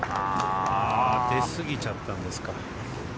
出すぎちゃったんですか。